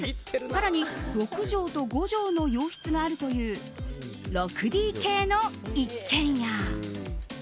更に６畳と５畳の洋室があるという６ＤＫの一軒家。